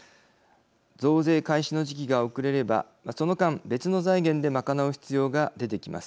増税開始の時期が遅れればその間別の財源で賄う必要が出てきます。